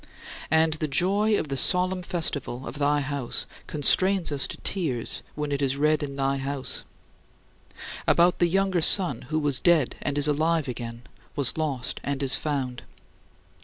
And the joy of the solemn festival of thy house constrains us to tears when it is read in thy house: about the younger son who "was dead and is alive again, was lost and is found."